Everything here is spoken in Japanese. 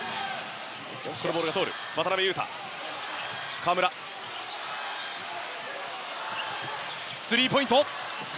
河村、スリーポイント。